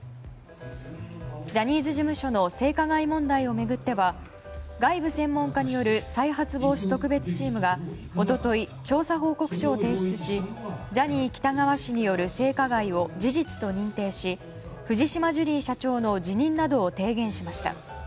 ジャニーズ事務所の性加害問題を巡っては外部専門家による再発防止特別チームが一昨日、調査報告書を提出しジャニー喜多川氏による性加害を事実と認定し藤島ジュリー社長の辞任などを提言しました。